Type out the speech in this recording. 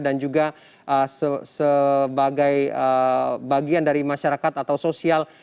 dan juga sebagai bagian dari masyarakat atau sosial